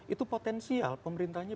itu potensial pemerintahnya